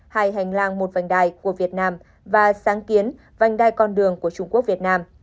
hải hành lang một vành đài của việt nam và sáng kiến vành đài con đường của trung quốc việt nam